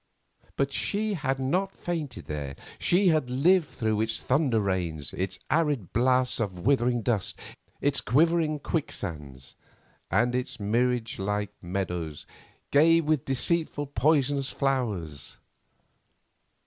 But she had not fainted there; she had lived through its thunder rains, its arid blasts of withering dust, its quivering quicksands, and its mirage like meadows gay with deceitful, poisonous flowers.